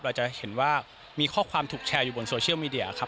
เราจะเห็นว่ามีข้อความถูกแชร์อยู่บนโซเชียลมีเดียครับ